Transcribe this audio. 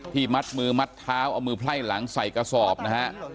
มัดมือมัดเท้าเอามือไพ่หลังใส่กระสอบนะฮะ